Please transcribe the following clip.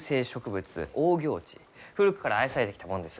古くから愛されてきたもんです。